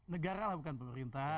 negara lah bukan pemerintah